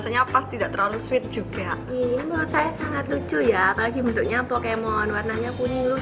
beberapa makanan yang dikutip untuk memuatkan kartu untuk miliknanya tiga puluh dua veio positiones hancur yang multikul